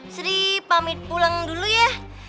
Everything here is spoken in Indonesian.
sri pamit pulang dulu ya